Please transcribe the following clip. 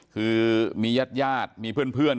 คือมีญาติมีเพื่อน